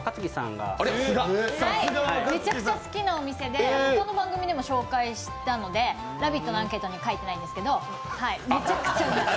はい、めちゃくちゃ好きなお店で他の番組でも紹介したことがあって「ラヴィット！」のアンケートには書いてないんですけど、めちゃくちゃおいしい。